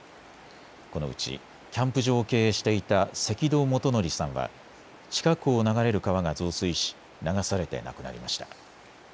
このうちキャンプ場を経営していた関戸基法さんは近くを流れる川が増水し流されて亡くなりました。